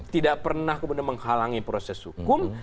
tidak pernah kemudian menghalangi proses hukum